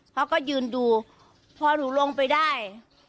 เขาก็ยืนดูพอหนูลงไปได้